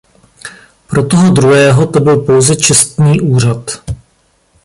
Pro toho druhého to byl pouze čestný úřad.